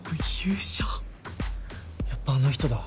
やっぱあの人だ。